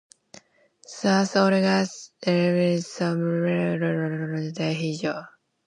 Sus orejas y nariz son notablemente más sobresalientes que las de su hijo.